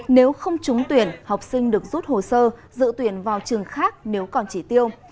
nếu không trúng tuyển học sinh được rút hồ sơ dự tuyển vào trường khác nếu còn chỉ tiêu